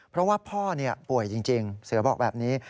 เพราะว่าพ่อป่วยจริงเสือบอกแบบนี้